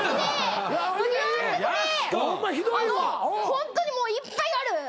ホントにもういっぱいある。